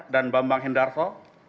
dan bambang hendarso